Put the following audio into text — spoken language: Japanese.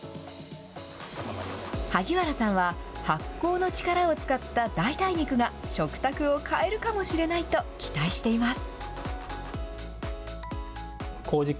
萩原さんは発酵の力を使った代替肉が食卓を変えるかもしれないと期待しています。